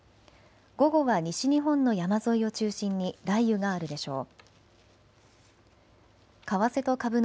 午後は西日本の山沿いを中心に雷雨があるでしょう。